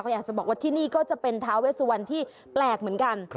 อยากจะบอกว่าที่นี่ก็จะเป็นท้าเวสวันที่แปลกเหมือนกัน